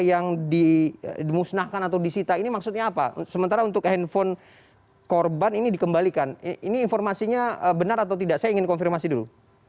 yang dimusnahkan atau disita ini maksudnya apa sementara untuk handphone korban ini dikembalikan ini informasinya benar atau tidak saya ingin konfirmasi dulu